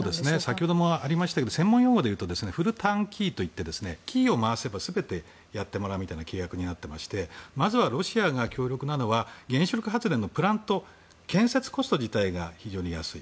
先ほどもありましたが専門用語でいうとフルターンキーといってキーを回せば全てやってもらえるみたいな契約になってましてまずはロシアが強力なのは原子力発電のプラント建設コスト自体が非常に安い。